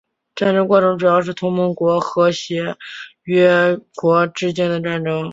战争过程主要是同盟国和协约国之间的战斗。